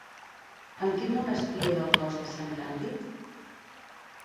En quin monestir era el cos de sant Càndid?